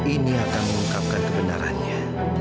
ini akan mengungkapkan kebenarannya